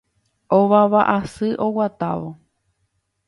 ovava asy oguatávo